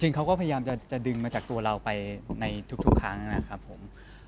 เขาก็พยายามจะดึงมาจากตัวเราไปในทุกครั้งนะครับผม